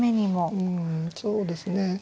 うんそうですね。